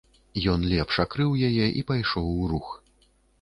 Ён лепш акрыў яе і пайшоў у рух.